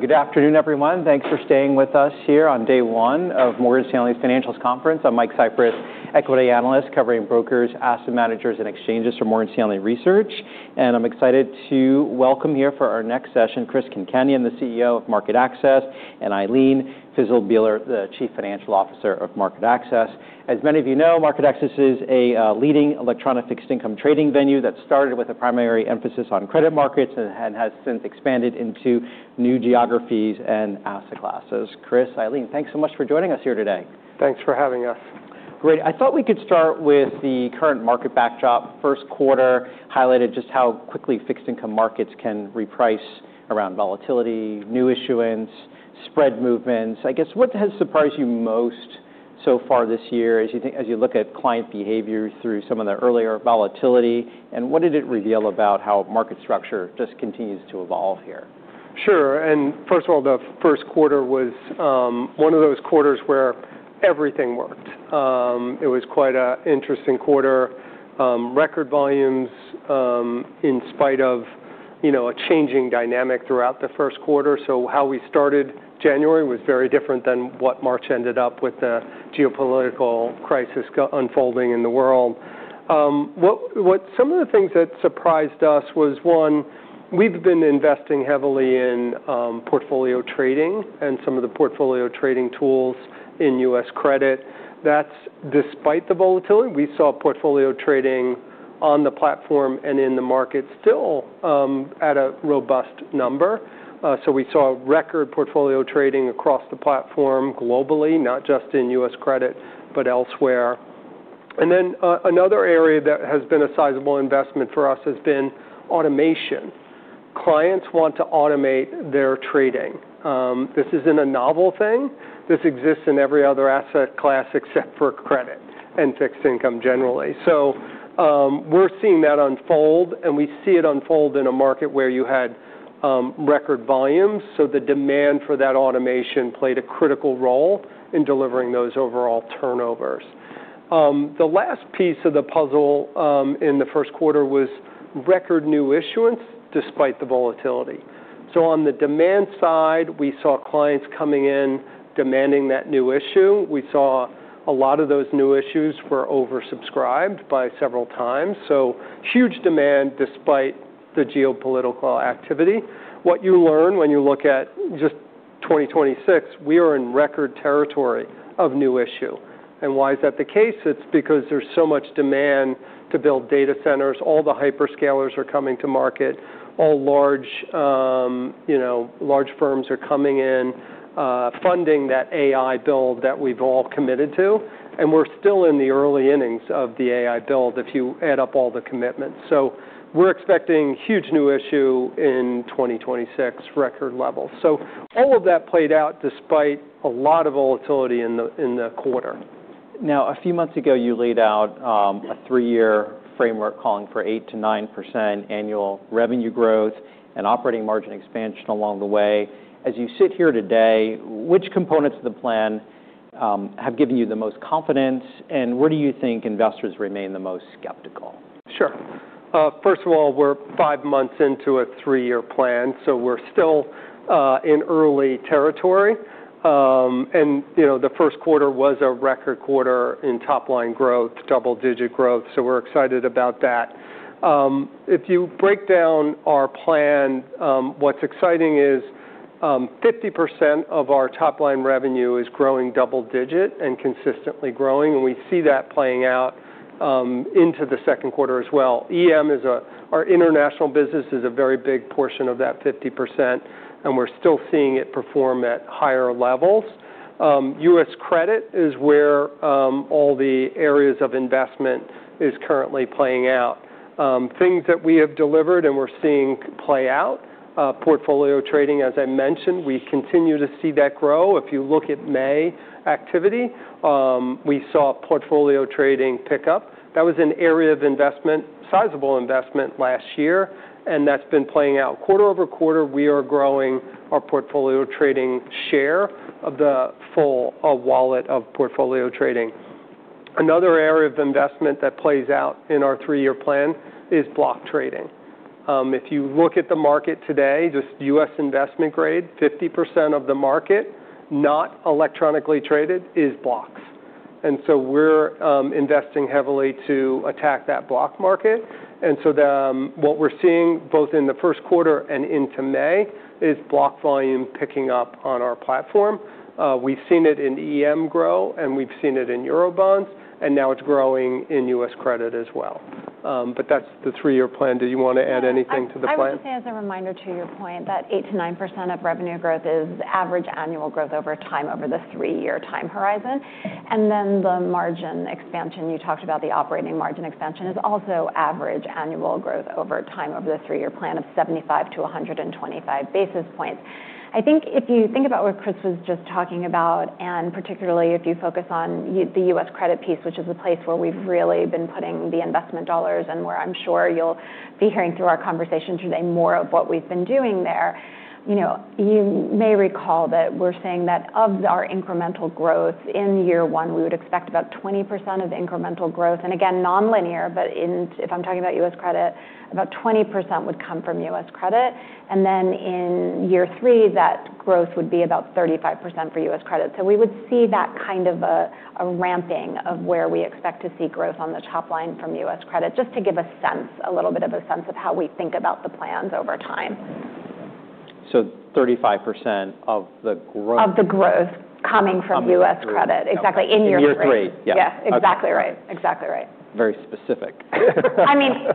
Good afternoon, everyone. Thanks for staying with us here on day one of Morgan Stanley's Financials Conference. I'm Mike Cyprys, Equity Analyst covering brokers, asset managers, and exchanges for Morgan Stanley Research. I'm excited to welcome here for our next session, Chris Concannon, the CEO of MarketAxess, and Ilene Fiszel Bieler, the Chief Financial Officer of MarketAxess. As many of you know, MarketAxess is a leading electronic fixed-income trading venue that started with a primary emphasis on credit markets and has since expanded into new geographies and asset classes. Chris, Ilene, thanks so much for joining us here today. Thanks for having us. Great. I thought we could start with the current market backdrop. First quarter highlighted just how quickly fixed-income markets can reprice around volatility, new issuance, spread movements. I guess, what has surprised you most so far this year as you look at client behavior through some of the earlier volatility, what did it reveal about how market structure just continues to evolve here? Sure. First of all, the first quarter was one of those quarters where everything worked. It was quite an interesting quarter. Record volumes in spite of a changing dynamic throughout the first quarter. How we started January was very different than what March ended up with the geopolitical crisis unfolding in the world. Some of the things that surprised us was, one, we've been investing heavily in portfolio trading and some of the portfolio trading tools in U.S. credit. That's despite the volatility. We saw portfolio trading on the platform and in the market still at a robust number. We saw record portfolio trading across the platform globally, not just in U.S. credit, but elsewhere. Another area that has been a sizable investment for us has been automation. Clients want to automate their trading. This isn't a novel thing. This exists in every other asset class except for credit and fixed income generally. We're seeing that unfold, and we see it unfold in a market where you had record volumes. The demand for that automation played a critical role in delivering those overall turnovers. The last piece of the puzzle in the first quarter was record new issuance despite the volatility. On the demand side, we saw clients coming in demanding that new issue. We saw a lot of those new issues were oversubscribed by several times. Huge demand despite the geopolitical activity. What you learn when you look at just 2026, we are in record territory of new issue. Why is that the case? It's because there's so much demand to build data centers. All the hyperscalers are coming to market. All large firms are coming in, funding that AI build that we've all committed to, we're still in the early innings of the AI build if you add up all the commitments. We're expecting huge new issue in 2026, record levels. All of that played out despite a lot of volatility in the quarter. A few months ago, you laid out a three-year framework calling for 8%-9% annual revenue growth and operating margin expansion along the way. As you sit here today, which components of the plan have given you the most confidence, where do you think investors remain the most skeptical? Sure. First of all, we're five months into a three-year plan, we're still in early territory. The first quarter was a record quarter in top-line growth, double-digit growth, we're excited about that. If you break down our plan, what's exciting is 50% of our top-line revenue is growing double-digit and consistently growing, we see that playing out into the second quarter as well. EM, our international business, is a very big portion of that 50%, we're still seeing it perform at higher levels. U.S. credit is where all the areas of investment is currently playing out. Things that we have delivered and we're seeing play out, portfolio trading, as I mentioned, we continue to see that grow. If you look at May activity, we saw portfolio trading pick up. That was an area of investment, sizable investment, last year, that's been playing out. Quarter-over-quarter, we are growing our portfolio trading share of the full wallet of portfolio trading. Another area of investment that plays out in our three-year plan is block trading. If you look at the market today, just U.S. investment grade, 50% of the market, not electronically traded, is blocks. We're investing heavily to attack that block market. What we're seeing both in the first quarter and into May is block volume picking up on our platform. We've seen it in EM grow, and we've seen it in Eurobonds, and now it's growing in U.S. credit as well. That's the three-year plan. Do you want to add anything to the plan? I would say as a reminder to your point that 8%-9% of revenue growth is average annual growth over time over the three-year time horizon. The margin expansion, you talked about the operating margin expansion, is also average annual growth over time over the three-year plan of 75 basis points-125 basis points. If you think about what Chris was just talking about, and particularly if you focus on the U.S. credit piece, which is the place where we've really been putting the investment dollars and where I'm sure you'll be hearing through our conversation today more of what we've been doing there. You may recall that we're saying that of our incremental growth in year one, we would expect about 20% of incremental growth, and again, nonlinear, but if I'm talking about U.S. credit, about 20% would come from U.S. credit. In year three, that growth would be about 35% for U.S. credit. We would see that kind of a ramping of where we expect to see growth on the top line from U.S. credit, just to give a little bit of a sense of how we think about the plans over time. 35% of the growth Of the growth coming from U.S. credit. Exactly. In year three. In year three. Yeah. Yes, exactly right. Very specific.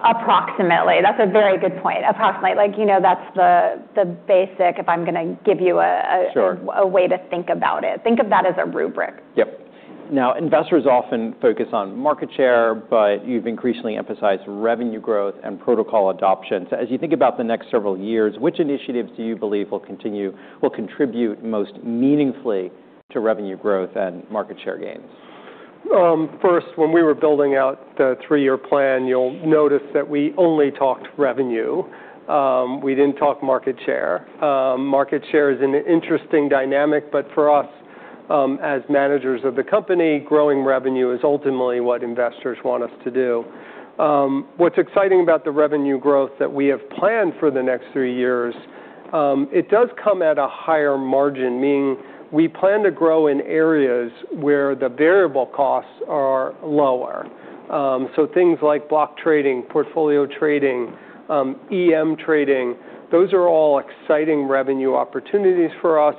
Approximately. That's a very good point. Approximately. That's the basic, if I'm going to give you a- Sure a way to think about it. Think of that as a rubric. Yep. Investors often focus on market share, but you've increasingly emphasized revenue growth and protocol adoption. As you think about the next several years, which initiatives do you believe will contribute most meaningfully to revenue growth and market share gains? First, when we were building out the three-year plan, you'll notice that we only talked revenue. We didn't talk market share. Market share is an interesting dynamic, but for us, as managers of the company, growing revenue is ultimately what investors want us to do. What's exciting about the revenue growth that we have planned for the next three years, it does come at a higher margin, meaning we plan to grow in areas where the variable costs are lower. Things like block trading, portfolio trading, EM trading, those are all exciting revenue opportunities for us.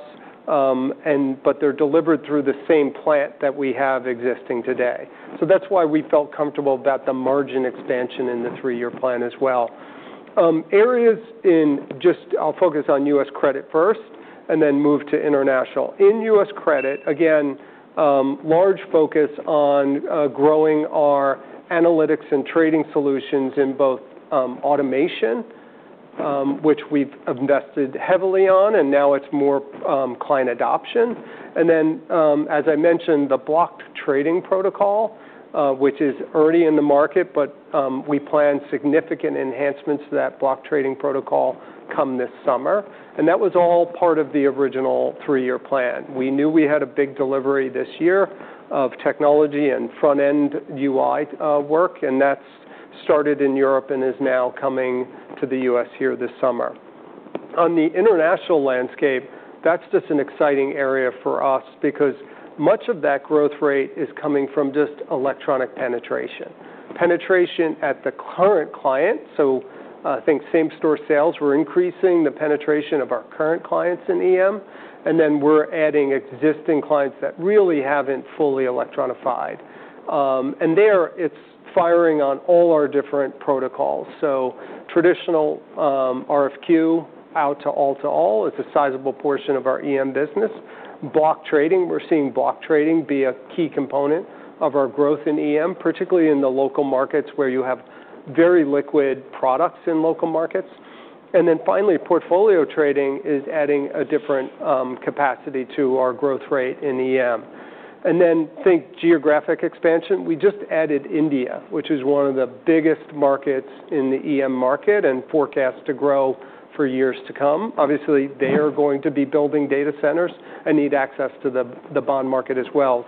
They're delivered through the same plant that we have existing today. That's why we felt comfortable about the margin expansion in the three-year plan as well. I'll focus on U.S. credit first and then move to international. In U.S. credit, again, large focus on growing our analytics and trading solutions in both automation, which we've invested heavily on. Now it's more client adoption. As I mentioned, the block trading protocol, which is early in the market, but we plan significant enhancements to that block trading protocol come this summer. That was all part of the original three-year plan. We knew we had a big delivery this year of technology and front-end UI work, and that's started in Europe and is now coming to the U.S. here this summer. On the international landscape, that's just an exciting area for us because much of that growth rate is coming from just electronic penetration. Penetration at the current client, so think same-store sales, we're increasing the penetration of our current clients in EM, and then we're adding existing clients that really haven't fully electronified. There, it's firing on all our different protocols. Traditional RFQ out to all-to-all is a sizable portion of our EM business. Block trading, we're seeing block trading be a key component of our growth in EM, particularly in the local markets where you have very liquid products in local markets. Finally, portfolio trading is adding a different capacity to our growth rate in EM. Think geographic expansion. We just added India, which is one of the biggest markets in the EM market and forecast to grow for years to come. Obviously, they are going to be building data centers and need access to the bond market as well.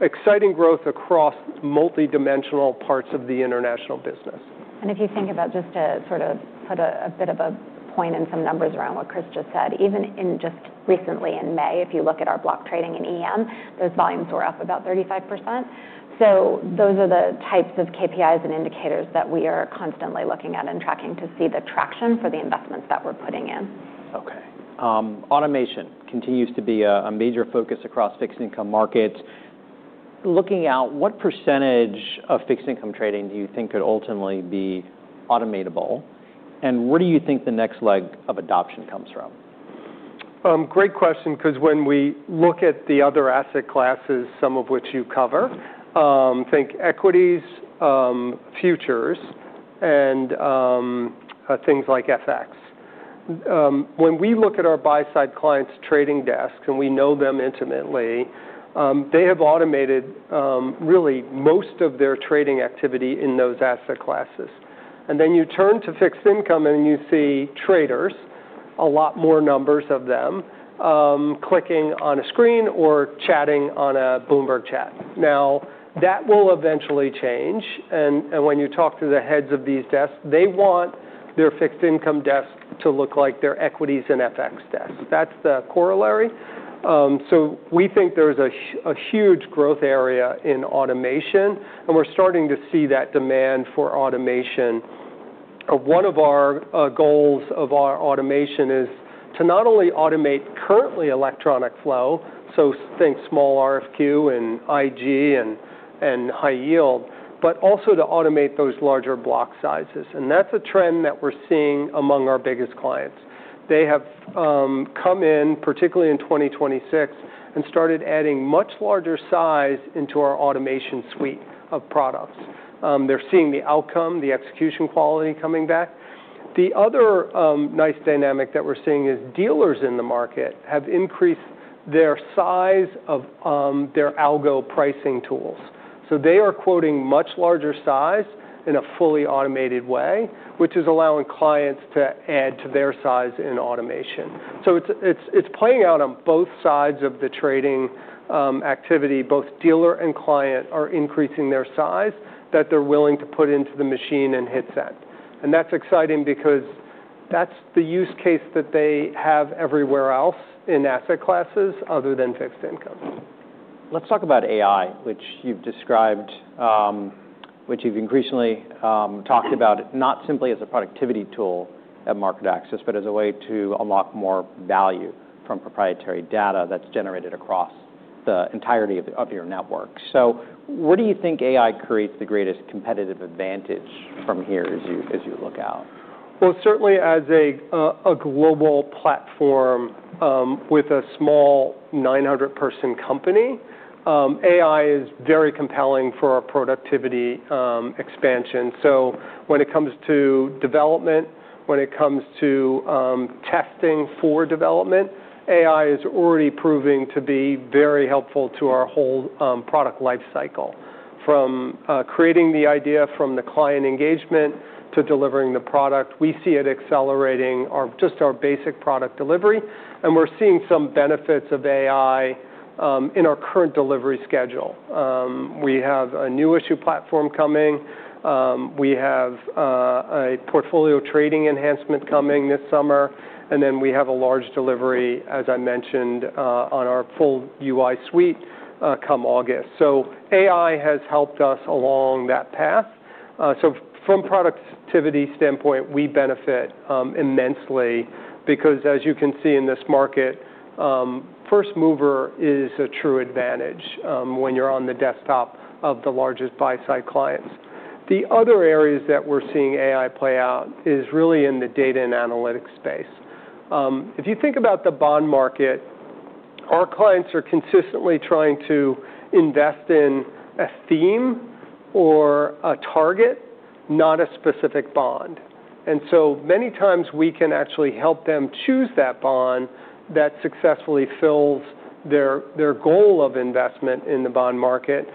Exciting growth across multi-dimensional parts of the international business. If you think about just to sort of put a bit of a point and some numbers around what Chris just said, even in just recently in May, if you look at our block trading in EM, those volumes were up about 35%. Those are the types of KPIs and indicators that we are constantly looking at and tracking to see the traction for the investments that we're putting in. Okay. Automation continues to be a major focus across fixed income markets. Looking out, what percentage of fixed income trading do you think could ultimately be automatable? Where do you think the next leg of adoption comes from? Great question, because when we look at the other asset classes, some of which you cover, think equities, futures, and things like FX. When we look at our buy side clients' trading desk, and we know them intimately, they have automated really most of their trading activity in those asset classes. Then you turn to fixed income, and you see traders, a lot more numbers of them, clicking on a screen or chatting on a Bloomberg chat. That will eventually change, and when you talk to the heads of these desks, they want their fixed income desk to look like their equities and FX desks. That's the corollary. We think there's a huge growth area in automation, and we're starting to see that demand for automation. One of our goals of our automation is to not only automate currently electronic flow, think small RFQ and IG and high yield, but also to automate those larger block sizes. That's a trend that we're seeing among our biggest clients. They have come in, particularly in 2026, and started adding much larger size into our automation suite of products. They're seeing the outcome, the execution quality coming back. The other nice dynamic that we're seeing is dealers in the market have increased their size of their algo pricing tools. They are quoting much larger size in a fully automated way, which is allowing clients to add to their size in automation. It's playing out on both sides of the trading activity. Both dealer and client are increasing their size that they're willing to put into the machine and hit send. That's exciting because that's the use case that they have everywhere else in asset classes other than fixed income. Let's talk about AI, which you've increasingly talked about not simply as a productivity tool at MarketAxess, but as a way to unlock more value from proprietary data that's generated across the entirety of your network. Where do you think AI creates the greatest competitive advantage from here as you look out? Certainly as a global platform with a small 900-person company, AI is very compelling for our productivity expansion. When it comes to development, when it comes to testing for development, AI is already proving to be very helpful to our whole product life cycle. From creating the idea from the client engagement to delivering the product, we see it accelerating just our basic product delivery, and we're seeing some benefits of AI in our current delivery schedule. We have a new issue platform coming. We have a portfolio trading enhancement coming this summer, and then we have a large delivery, as I mentioned, on our full UI suite come August. AI has helped us along that path. From productivity standpoint, we benefit immensely because as you can see in this market, first mover is a true advantage when you're on the desktop of the largest buy-side clients. The other areas that we're seeing AI play out is really in the data and analytics space. If you think about the bond market, our clients are consistently trying to invest in a theme or a target, not a specific bond. Many times we can actually help them choose that bond that successfully fills their goal of investment in the bond market,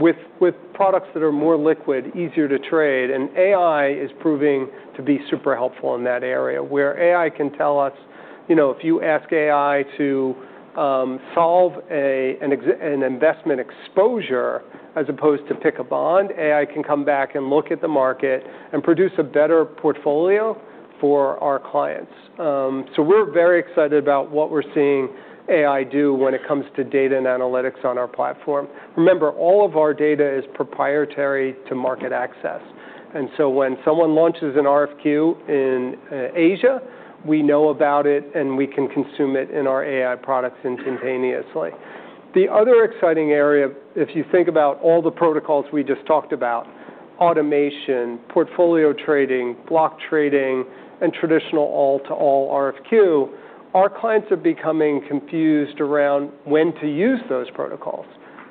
with products that are more liquid, easier to trade, and AI is proving to be super helpful in that area, where AI can tell us. If you ask AI to solve an investment exposure as opposed to pick a bond, AI can come back and look at the market and produce a better portfolio for our clients. We're very excited about what we're seeing AI do when it comes to data and analytics on our platform. Remember, all of our data is proprietary to MarketAxess, when someone launches an RFQ in Asia, we know about it, and we can consume it in our AI products instantaneously. The other exciting area, if you think about all the protocols we just talked about, automation, portfolio trading, block trading, and traditional all-to-all RFQ, our clients are becoming confused around when to use those protocols.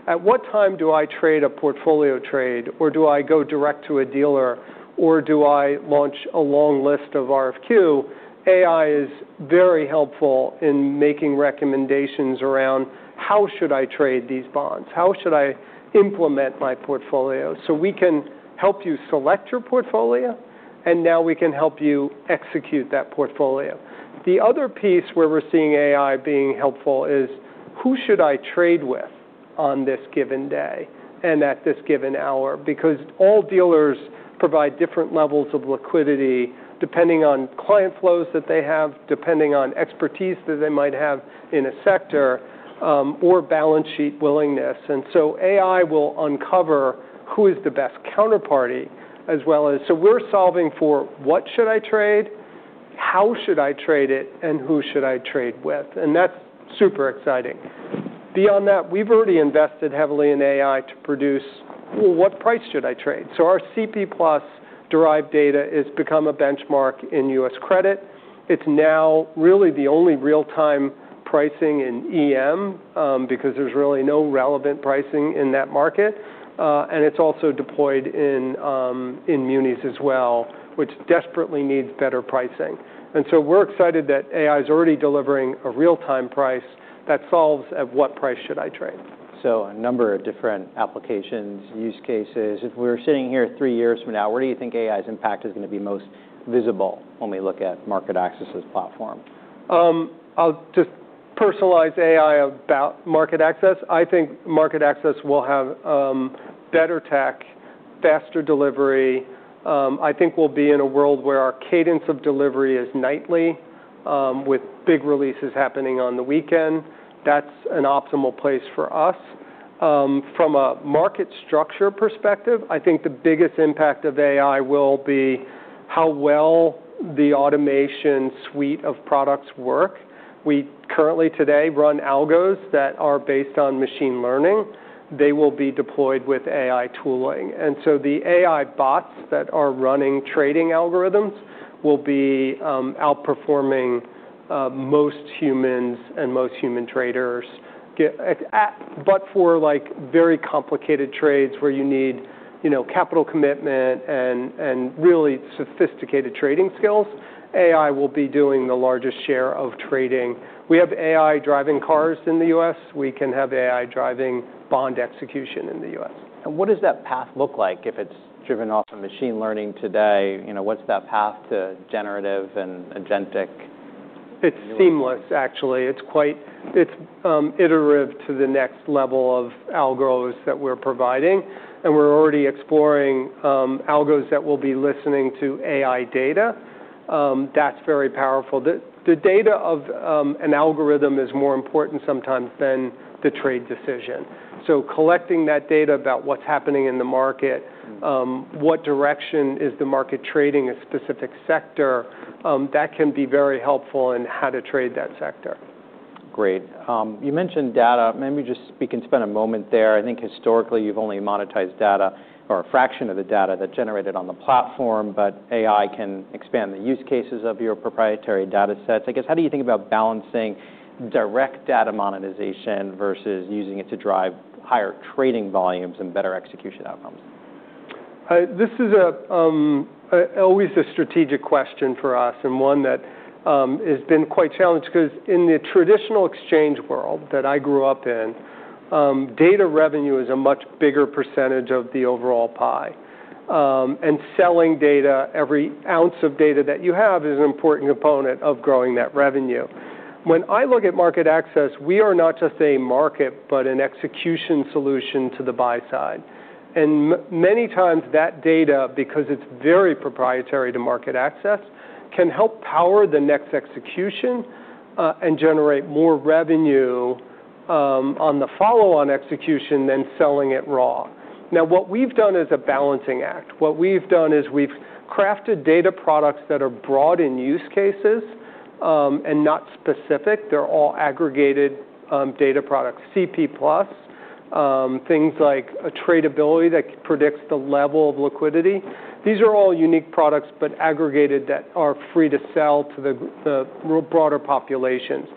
At what time do I trade a portfolio trade, or do I go direct to a dealer, or do I launch a long list of RFQ? AI is very helpful in making recommendations around, "How should I trade these bonds? How should I implement my portfolio?" We can help you select your portfolio, and now we can help you execute that portfolio. The other piece where we're seeing AI being helpful is, "Who should I trade with on this given day and at this given hour?" Because all dealers provide different levels of liquidity depending on client flows that they have, depending on expertise that they might have in a sector, or balance sheet willingness. AI will uncover who is the best counterparty. So we're solving for what should I trade, how should I trade it, and who should I trade with? That's super exciting. Beyond that, we've already invested heavily in AI to produce, "Well, what price should I trade?" Our CP+ -derived data has become a benchmark in U.S. credit. It's now really the only real-time pricing in EM, because there's really no relevant pricing in that market. It's also deployed in munis as well, which desperately needs better pricing. We're excited that AI's already delivering a real-time price that solves at what price should I trade. A number of different applications, use cases. If we were sitting here three years from now, where do you think AI's impact is going to be most visible when we look at MarketAxess's platform? I'll just personalize AI about MarketAxess. I think MarketAxess will have better tech, faster delivery. I think we'll be in a world where our cadence of delivery is nightly, with big releases happening on the weekend. That's an optimal place for us. From a market structure perspective, I think the biggest impact of AI will be how well the automation suite of products work. We currently today run algos that are based on machine learning. They will be deployed with AI tooling. The AI bots that are running trading algorithms will be outperforming most humans and most human traders. For very complicated trades where you need capital commitment and really sophisticated trading skills, AI will be doing the largest share of trading. We have AI driving cars in the U.S. We can have AI driving bond execution in the U.S. What does that path look like if it's driven off of machine learning today? What's that path to generative and agentic? It's seamless, actually. It's iterative to the next level of algos that we're providing, and we're already exploring algos that will be listening to AI data. That's very powerful. The data of an algorithm is more important sometimes than the trade decision. Collecting that data about what's happening in the market, what direction is the market trading a specific sector, that can be very helpful in how to trade that sector. Great. You mentioned data. Maybe just we can spend a moment there. I think historically you've only monetized data, or a fraction of the data that generated on the platform, but AI can expand the use cases of your proprietary data sets. I guess, how do you think about balancing direct data monetization versus using it to drive higher trading volumes and better execution outcomes? This is always a strategic question for us, and one that has been quite challenged because in the traditional exchange world that I grew up in, data revenue is a much bigger percentage of the overall pie. Selling data, every ounce of data that you have, is an important component of growing that revenue. When I look at MarketAxess, we are not just a market, but an execution solution to the buy side. Many times that data, because it's very proprietary to MarketAxess, can help power the next execution and generate more revenue on the follow-on execution than selling it raw. Now, what we've done is a balancing act. What we've done is we've crafted data products that are broad in use cases, and not specific. They're all aggregated data products. CP+, things like a Tradability that predicts the level of liquidity. These are all unique products, but aggregated, that are free to sell to the broader populations.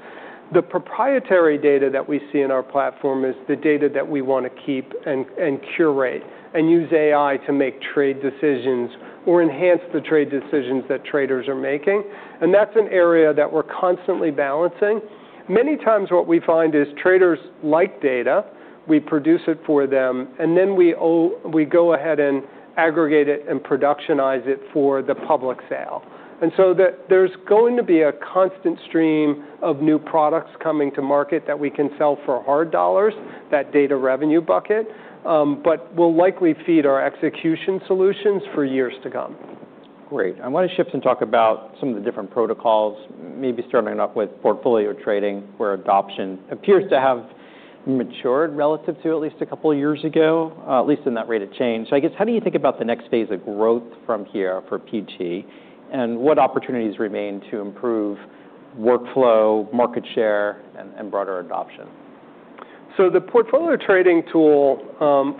The proprietary data that we see in our platform is the data that we want to keep and curate and use AI to make trade decisions or enhance the trade decisions that traders are making. That's an area that we're constantly balancing. Many times what we find is traders like data, we produce it for them, then we go ahead and aggregate it and productionize it for the public sale. There's going to be a constant stream of new products coming to market that we can sell for hard dollars, that data revenue bucket, but will likely feed our execution solutions for years to come. Great. I want to shift and talk about some of the different protocols, maybe starting off with portfolio trading, where adoption appears to have matured relative to at least a couple of years ago, at least in that rate of change. I guess, how do you think about the next phase of growth from here for PT, and what opportunities remain to improve workflow, market share, and broader adoption? The portfolio trading tool,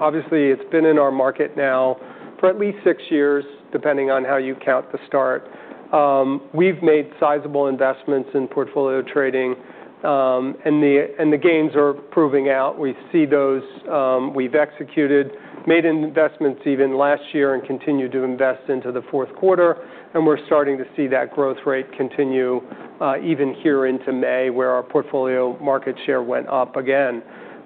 obviously it's been in our market now for at least six years, depending on how you count the start. We've made sizable investments in portfolio trading, and the gains are proving out. We see those. We've executed, made investments even last year and continue to invest into the fourth quarter, and we're starting to see that growth rate continue, even here into May, where our portfolio market share went up again.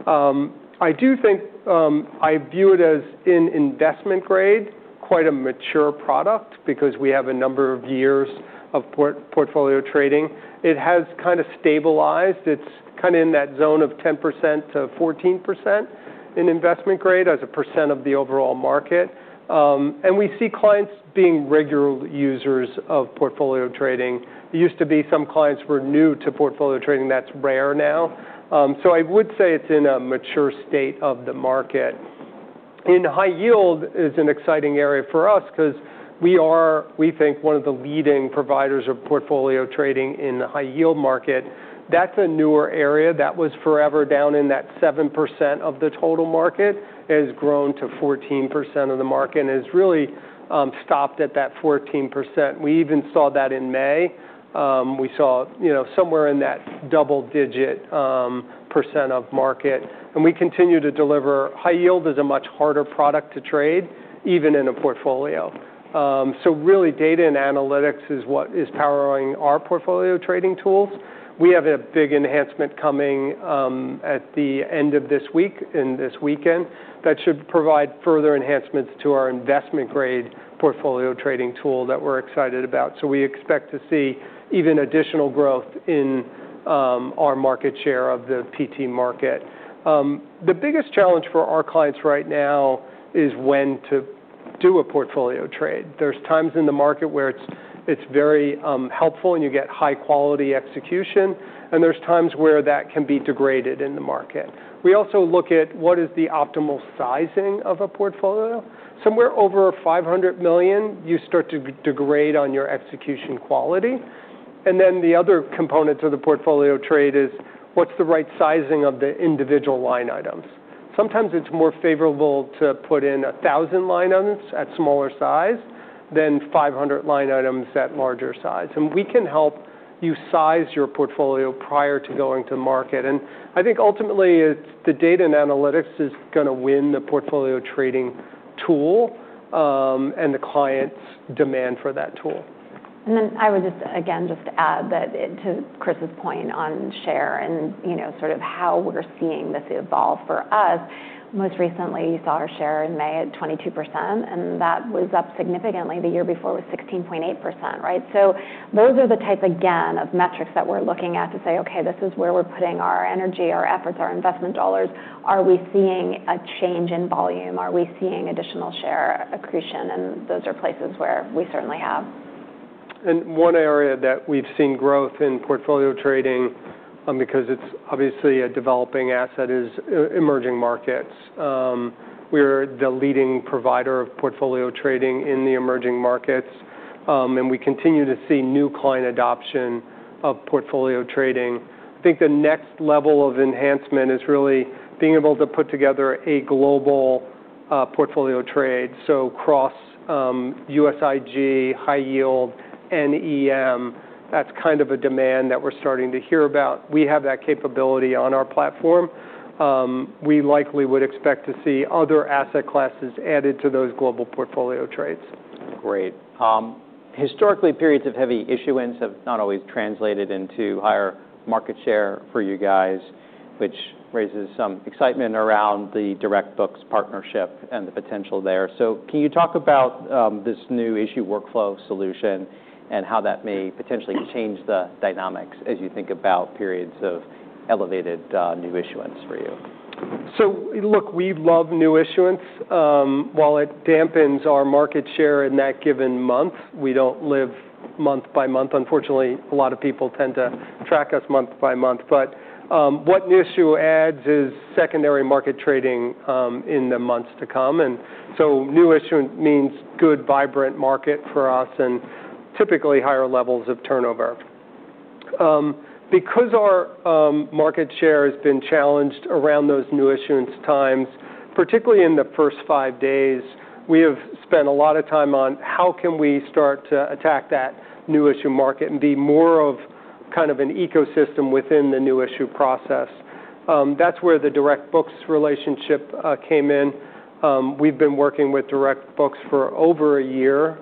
I do think, I view it as in investment grade, quite a mature product because we have a number of years of portfolio trading. It has kind of stabilized. It's kind of in that zone of 10%-14% in investment grade as a percent of the overall market. We see clients being regular users of portfolio trading. It used to be some clients were new to portfolio trading. That's rare now. I would say it's in a mature state of the market. High yield is an exciting area for us because we are, we think, one of the leading providers of portfolio trading in the high-yield market. That's a newer area that was forever down in that 7% of the total market, has grown to 14% of the market, and has really stopped at that 14%. We even saw that in May. We saw somewhere in that double-digit percent of market. We continue to deliver. High yield is a much harder product to trade, even in a portfolio. Really data and analytics is what is powering our portfolio trading tools. We have a big enhancement coming at the end of this week, and this weekend, that should provide further enhancements to our investment-grade portfolio trading tool that we're excited about. We expect to see even additional growth in our market share of the PT market. The biggest challenge for our clients right now is when to do a portfolio trade. There's times in the market where it's very helpful and you get high-quality execution, and there's times where that can be degraded in the market. We also look at what is the optimal sizing of a portfolio. Somewhere over $500 million, you start to degrade on your execution quality. The other component to the portfolio trade is, what's the right sizing of the individual line items? Sometimes it's more favorable to put in 1,000 line items at smaller size than 500 line items at larger size. We can help you size your portfolio prior to going to market. I think ultimately, the data and analytics is going to win the portfolio trading tool, and the clients' demand for that tool. I would just, again, just add that to Chris's point on share and sort of how we're seeing this evolve for us. Most recently, you saw our share in May at 22%, and that was up significantly. The year before it was 16.8%, right? Those are the type, again, of metrics that we're looking at to say, "Okay, this is where we're putting our energy, our efforts, our investment dollars. Are we seeing a change in volume? Are we seeing additional share accretion?" Those are places where we certainly have. One area that we've seen growth in portfolio trading, because it's obviously a developing asset, is emerging markets. We're the leading provider of portfolio trading in the emerging markets, and we continue to see new client adoption of portfolio trading. I think the next level of enhancement is really being able to put together a global portfolio trade. Cross US IG, high yield, and EM. That's kind of a demand that we're starting to hear about. We have that capability on our platform. We likely would expect to see other asset classes added to those global portfolio trades. Great. Historically, periods of heavy issuance have not always translated into higher market share for you guys, which raises some excitement around the DirectBooks partnership and the potential there. Can you talk about this new issue workflow solution and how that may potentially change the dynamics as you think about periods of elevated new issuance for you? Look, we love new issuance. While it dampens our market share in that given month, we don't live month by month. Unfortunately, a lot of people tend to track us month by month. What new issue adds is secondary market trading in the months to come. New issuance means good, vibrant market for us, and typically higher levels of turnover. Because our market share has been challenged around those new issuance times, particularly in the first five days, we have spent a lot of time on how can we start to attack that new issue market and be more of kind of an ecosystem within the new issue process. That's where the DirectBooks relationship came in. We've been working with DirectBooks for over a year.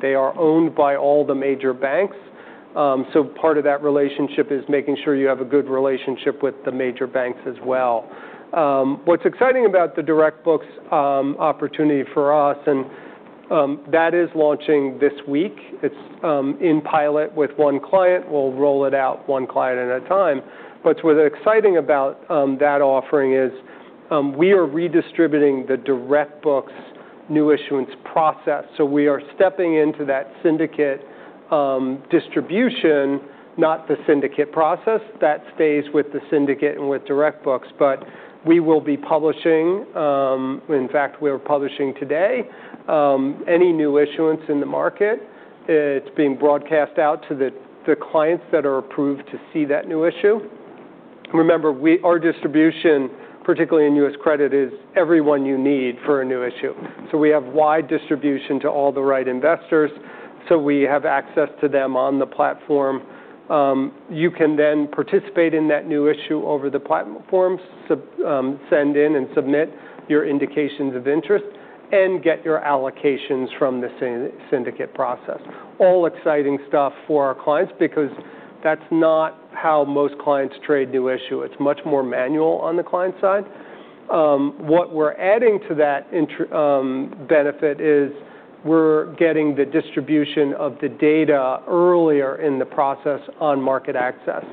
They are owned by all the major banks. Part of that relationship is making sure you have a good relationship with the major banks as well. What's exciting about the DirectBooks opportunity for us, and that is launching this week. It's in pilot with one client. We'll roll it out one client at a time. What's exciting about that offering is we are redistributing the DirectBooks new issuance process. We are stepping into that syndicate distribution, not the syndicate process. That stays with the syndicate and with DirectBooks. We will be publishing, in fact, we're publishing today, any new issuance in the market. It's being broadcast out to the clients that are approved to see that new issue. Remember, our distribution, particularly in U.S. credit, is everyone you need for a new issue. We have wide distribution to all the right investors. We have access to them on the platform. You can then participate in that new issue over the platforms, send in and submit your indications of interest, and get your allocations from the syndicate process. All exciting stuff for our clients because that's not how most clients trade new issue. It's much more manual on the client side. What we're adding to that benefit is we're getting the distribution of the data earlier in the process on MarketAxess.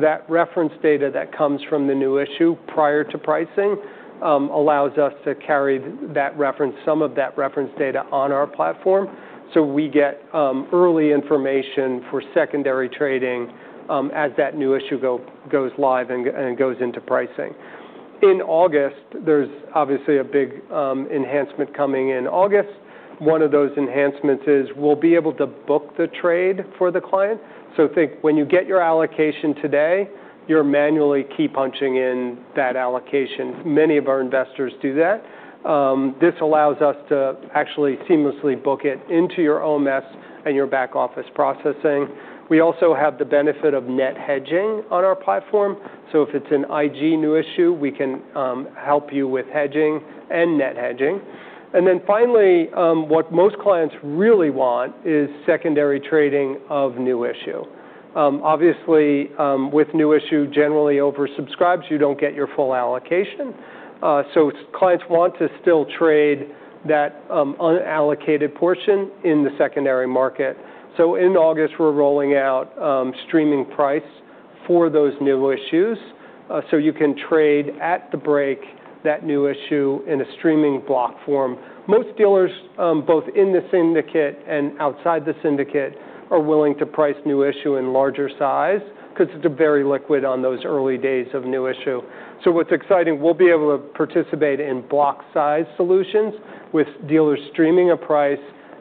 That reference data that comes from the new issue prior to pricing allows us to carry some of that reference data on our platform. We get early information for secondary trading as that new issue goes live and goes into pricing. In August, there's obviously a big enhancement coming in August. One of those enhancements is we'll be able to book the trade for the client. Think when you get your allocation today, you're manually keypunching in that allocation. Many of our investors do that. This allows us to actually seamlessly book it into your OMS and your back-office processing. We also have the benefit of net hedging on our platform. If it's an IG new issue, we can help you with hedging and net hedging. Finally, what most clients really want is secondary trading of new issue. Obviously, with new issue generally oversubscribed, so you don't get your full allocation. Clients want to still trade that unallocated portion in the secondary market. In August, we're rolling out streaming price for those new issues so you can trade at the break that new issue in a streaming block form. Most dealers, both in the syndicate and outside the syndicate, are willing to price new issue in larger size because it's very liquid on those early days of new issue. What's exciting, we'll be able to participate in block size solutions with dealers streaming a price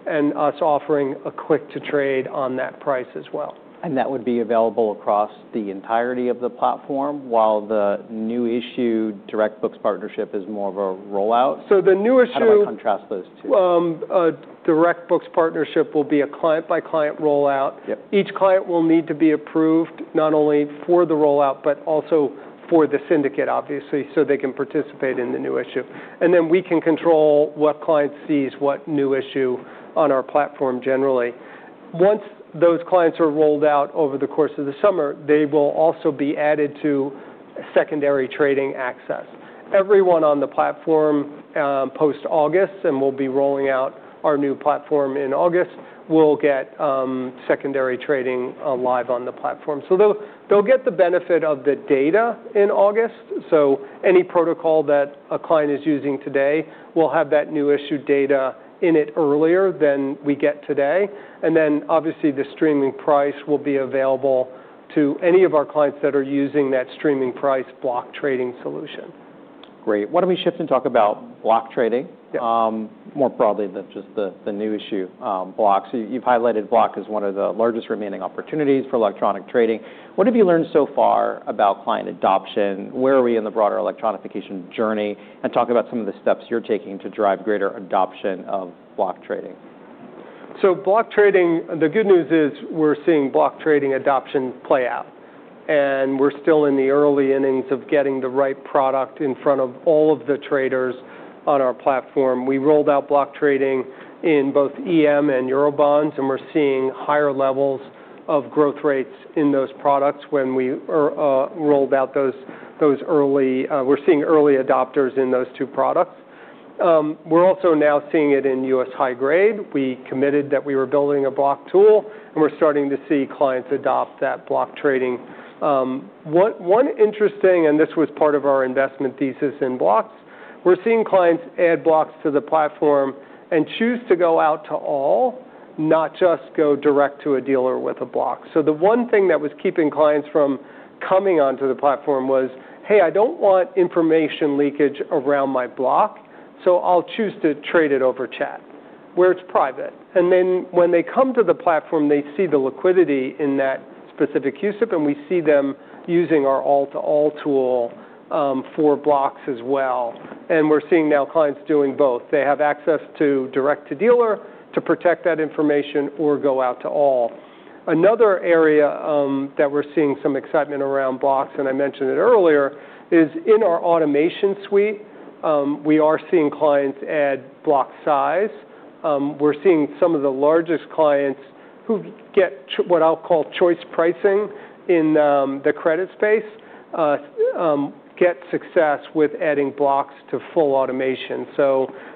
and us offering a click to trade on that price as well. That would be available across the entirety of the platform, while the new issue DirectBooks partnership is more of a rollout? The new issue. How do I contrast those two? DirectBooks partnership will be a client-by-client rollout. Yep. Each client will need to be approved not only for the rollout, but also for the syndicate, obviously, so they can participate in the new issue. Then we can control what client sees what new issue on our platform generally. Once those clients are rolled out over the course of the summer, they will also be added to secondary trading access. Everyone on the platform post-August, and we'll be rolling out our new platform in August, will get secondary trading live on the platform. They'll get the benefit of the data in August. Any protocol that a client is using today will have that new issue data in it earlier than we get today. Obviously the streaming price will be available to any of our clients that are using that streaming price block trading solution. Great. Why don't we shift and talk about block trading. Yeah more broadly than just the new issue blocks. You've highlighted block as one of the largest remaining opportunities for electronic trading. What have you learned so far about client adoption? Where are we in the broader electronification journey? Talk about some of the steps you're taking to drive greater adoption of block trading. Block trading, the good news is we're seeing block trading adoption play out, and we're still in the early innings of getting the right product in front of all of the traders on our platform. We rolled out block trading in both EM and Eurobonds, and we're seeing higher levels of growth rates in those products when we're seeing early adopters in those two products. We're also now seeing it in US IG. We committed that we were building a block tool, and we're starting to see clients adopt that block trading. One interesting, and this was part of our investment thesis in blocks, we're seeing clients add blocks to the platform and choose to go out to all, not just go direct to a dealer with a block. The one thing that was keeping clients from coming onto the platform was, "Hey, I don't want information leakage around my block, so I'll choose to trade it over chat, where it's private." Then when they come to the platform, they see the liquidity in that specific CUSIP, and we see them using our all-to-all tool for blocks as well. We're seeing now clients doing both. They have access to direct to dealer to protect that information or go out to all. Another area that we're seeing some excitement around blocks, and I mentioned it earlier, is in our automation suite. We are seeing clients add block size. We're seeing some of the largest clients who get what I'll call choice pricing in the credit space get success with adding blocks to full automation.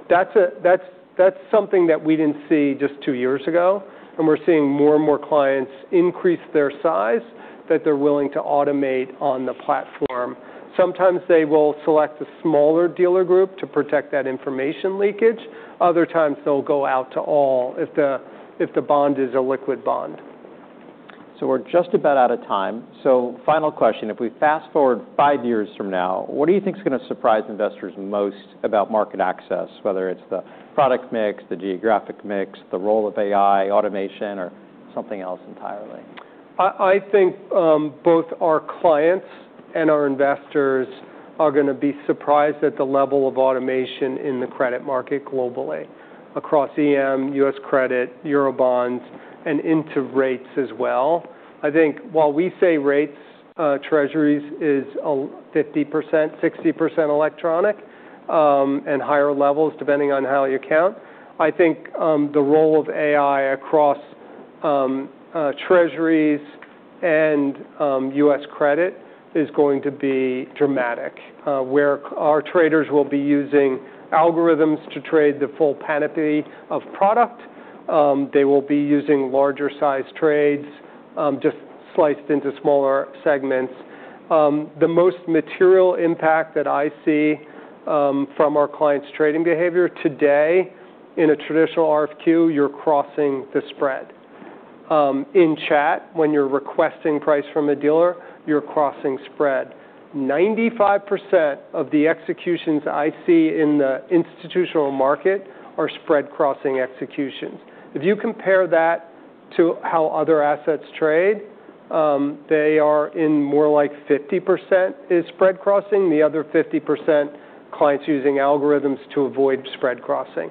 That's something that we didn't see just two years ago, and we're seeing more and more clients increase their size that they're willing to automate on the platform. Sometimes they will select a smaller dealer group to protect that information leakage. Other times, they'll go out to all if the bond is a liquid bond. We're just about out of time. Final question. If we fast-forward five years from now, what do you think is going to surprise investors most about MarketAxess, whether it's the product mix, the geographic mix, the role of AI, automation, or something else entirely? I think both our clients and our investors are going to be surprised at the level of automation in the credit market globally, across EM, U.S. credit, Eurobonds, and into rates as well. I think while we say rates, Treasuries is 50%, 60% electronic, and higher levels, depending on how you count. I think the role of AI across Treasuries and U.S. credit is going to be dramatic, where our traders will be using algorithms to trade the full panoply of product. They will be using larger size trades, just sliced into smaller segments. The most material impact that I see from our clients' trading behavior today, in a traditional RFQ, you're crossing the spread. In chat, when you're requesting price from a dealer, you're crossing spread. 95% of the executions I see in the institutional market are spread crossing executions. If you compare that to how other assets trade, they are in more like 50% is spread crossing, the other 50%, clients using algorithms to avoid spread crossing.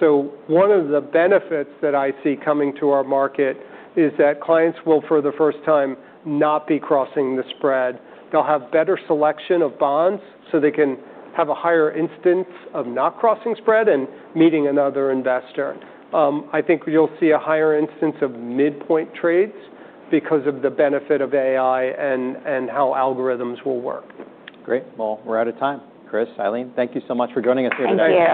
One of the benefits that I see coming to our market is that clients will, for the first time, not be crossing the spread. They'll have better selection of bonds so they can have a higher instance of not crossing spread and meeting another investor. I think you'll see a higher instance of midpoint trades because of the benefit of AI and how algorithms will work. Great. Well, we're out of time. Chris, Ilene, thank you so much for joining us here today.